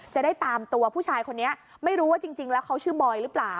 จะได้ตามตัวผู้ชายคนนี้ไม่รู้ว่าจริงแล้วเขาชื่อบอยหรือเปล่า